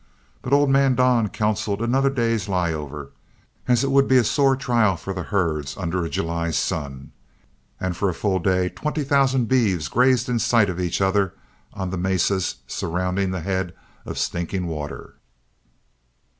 But old man Don counseled another day's lie over, as it would be a sore trial for the herds under a July sun, and for a full day twenty thousand beeves grazed in sight of each other on the mesas surrounding the head of Stinking Water.